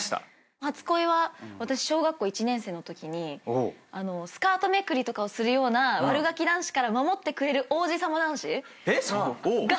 初恋は私小学校１年生のときにスカートめくりとかをするような悪がき男子から守ってくれる王子様男子が初恋なんですよ。